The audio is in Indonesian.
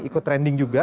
ikut trending juga